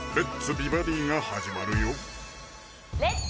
美バディ」が始まるよ「レッツ！